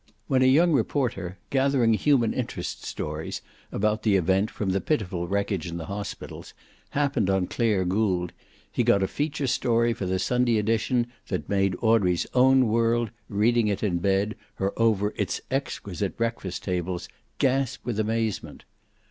When a young reporter, gathering human interest stories about the event from the pitiful wreckage in the hospitals, happened on Clare Gould, he got a feature story for the Sunday edition that made Audrey's own world, reading it in bed or over its exquisite breakfast tables, gasp with amazement.